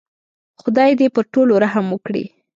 خدای دې پر ټولو رحم وکړي.